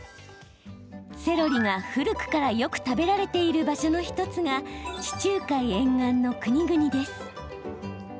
セロリが古くからよく食べられている場所の１つが地中海沿岸の国々です。